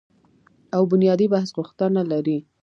او بنیادي بحث غوښتنه لري